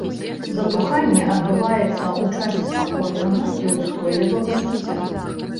Затуханне адбываецца ў часе спакойнага і ўстойлівага жыцця.